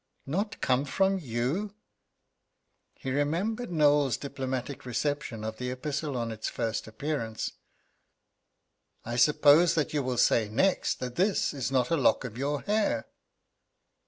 "Not come from you?" He remembered Knowles's diplomatic reception of the epistle on its first appearance. "I suppose that you will say next that this is not a lock of your hair?"